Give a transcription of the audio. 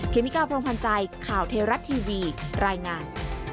เคมิการ์พร้อมพันธ์ใจข่าวเทรัฐทีวีรายงาน